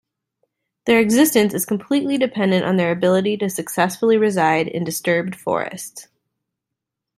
Their existence is completely dependent on their ability to successfully reside in disturbed forests.